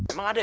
emang ada ya